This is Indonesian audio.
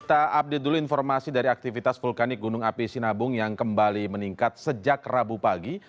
kita update dulu informasi dari aktivitas vulkanik gunung api sinabung yang kembali meningkat sejak rabu pagi